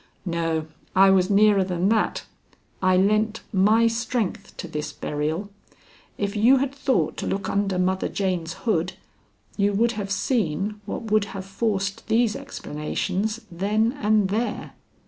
"No, I was nearer than that. I lent my strength to this burial. If you had thought to look under Mother Jane's hood, you would have seen what would have forced these explanations then and there."